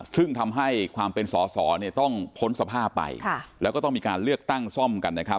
ซึ่งทำให้ความเป็นสอสอเนี่ยต้องพ้นสภาพไปแล้วก็ต้องมีการเลือกตั้งซ่อมกันนะครับ